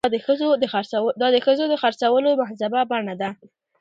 دا د ښځو د خرڅولو مهذبه بڼه ده.